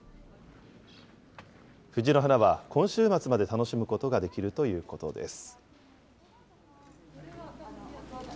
藤の花は今週末まで楽しむことができるということです。